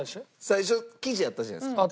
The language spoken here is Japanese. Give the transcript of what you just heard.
最初生地あったじゃないですか。